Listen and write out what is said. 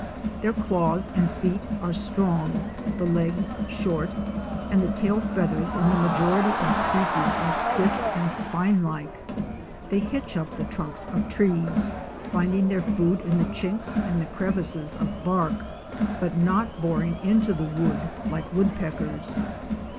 Their claws and feet are strong, the legs short, and the tail feathers in the majority of species are stiff and spine like. They hitch up the trunks of trees, finding their food in the chinks and crevices of bark, but not boring into the wood like Woodpeckers.